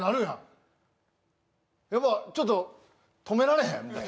やっぱちょっと止められへん？